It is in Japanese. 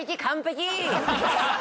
完璧！